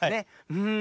うん。